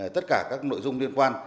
tất cả các nội dung liên quan